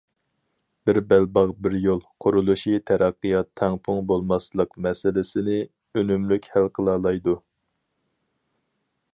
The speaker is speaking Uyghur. « بىر بەلباغ، بىر يول» قۇرۇلۇشى تەرەققىيات تەڭپۇڭ بولماسلىق مەسىلىسىنى ئۈنۈملۈك ھەل قىلالايدۇ.